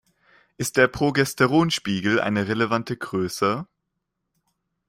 Ist der Progesteronspiegel eine relevante Größe?